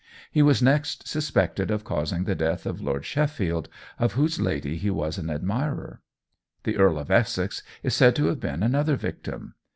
He was next suspected of causing the death of Lord Sheffield, of whose lady he was an admirer. The Earl of Essex is said to have been another victim.